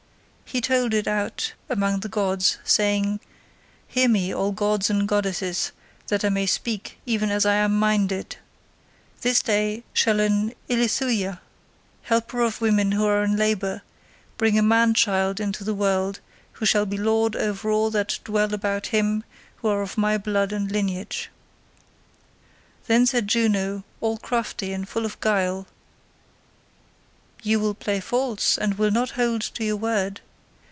He told it out among the gods saying, 'Hear me, all gods and goddesses, that I may speak even as I am minded; this day shall an Ilithuia, helper of women who are in labour, bring a man child into the world who shall be lord over all that dwell about him who are of my blood and lineage.' Then said Juno all crafty and full of guile, 'You will play false, and will not hold to your word.